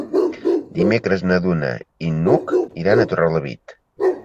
Dimecres na Duna i n'Hug iran a Torrelavit.